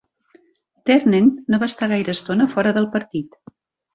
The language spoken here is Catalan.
Ternent no va estar gaire estona fora del partit.